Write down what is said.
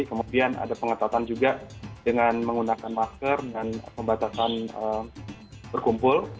kemudian ada pengetatan juga dengan menggunakan masker dan pembatasan berkumpul